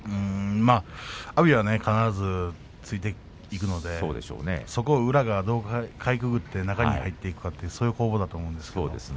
阿炎は必ずついていくのでそこを宇良がどうかいくぐって中に入っていくかという攻防だと思います。